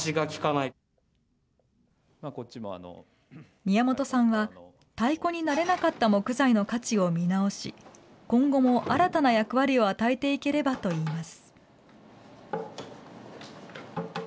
宮本さんは、太鼓になれなかった木材の価値を見直し、今後も新たな役割を与えていければといいます。